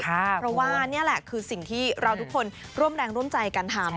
เพราะว่านี่แหละคือสิ่งที่เราทุกคนร่วมแรงร่วมใจกันทำ